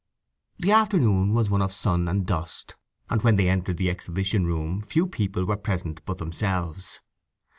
The afternoon was one of sun and dust, and when they entered the exhibition room few people were present but themselves.